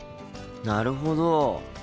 なるほど。